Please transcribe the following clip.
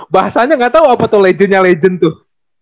bahasanya gak tau apa tuh legendnya legend tuh